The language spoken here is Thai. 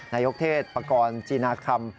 นายกเทศประกอลจีนาคม